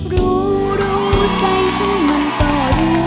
รู้รู้ใจฉันมันก็รู้